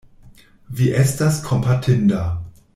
Vi estas kompatinda.